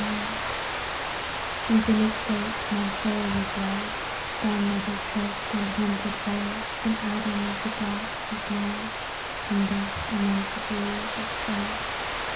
77 A DREAM OF FEAR Within its gates my soul was led, Down nettle choked and haunted way An atom of the Dark's dismay, In deaf immensities of dread.